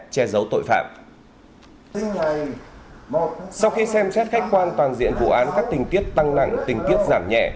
che dấu tội phạm sau khi xem xét khách quan toàn diện vụ án các tình tiết tăng nặng tình tiết giảm nhẹ